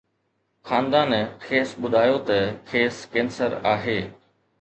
خاندان کيس ٻڌايو ته کيس ڪينسر آهي